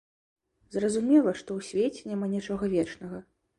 Зразумела, што ў свеце няма нічога вечнага.